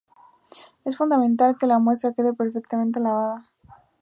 Es fundamental que la muestra quede perfectamente lavada.